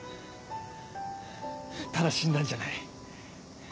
ただ死んだんじゃない。